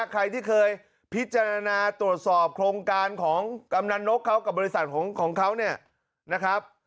ใครที่เคยพิจารณาตรวจสอบโครงการของกำนันนกเขากับบริษัทของเขาเนี่ยนะครับ